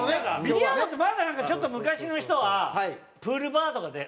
ビリヤードってまだなんかちょっと昔の人はプールバーとかで。